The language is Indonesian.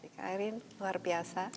erika ayrin luar biasa